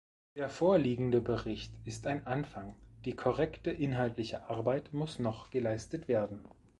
Der vorliegende Bericht ist ein Anfang, die konkrete inhaltliche Arbeit muss noch geleistet werden.